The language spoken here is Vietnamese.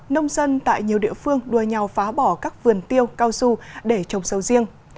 nông dân tại nhiều địa phương đua nhau phá bỏ các vườn tiêu cao su để trồng sầu riêng